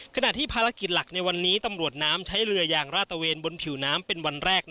ขณะที่ภารกิจหลักในวันนี้ตำรวจน้ำใช้เรือยางราดตะเวนบนผิวน้ำเป็นวันแรก